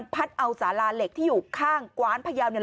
พัดเอาสาลาเหล็กที่อยู่ข้างกว้านพยาวเนี่ย